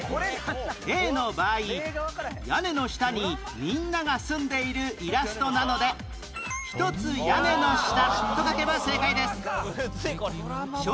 例の場合屋根の下にみんなが住んでいるイラストなので『ひとつ屋根の下』と書けば正解です